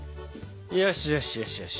よしよしよしよし。